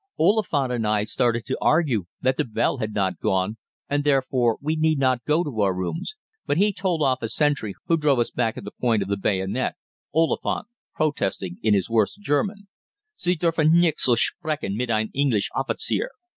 Oliphant and I started to argue that the bell had not gone and therefore we need not go to our rooms, but he told off a sentry, who drove us back at the point of the bayonet, Oliphant protesting in his worst German, "Sie dürfen nicht so sprechen mit ein English Offizier."